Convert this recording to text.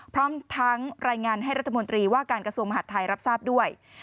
พร้อมทั้งรายงานให้รัฐมนตรีว่าการกระทรวงมหาดไทยรับทราบด้วย